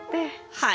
はい。